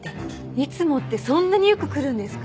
いつもってそんなによく来るんですか？